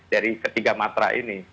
dari ketiga matra ini